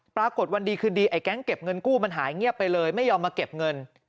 วันดีคืนดีไอ้แก๊งเก็บเงินกู้มันหายเงียบไปเลยไม่ยอมมาเก็บเงิน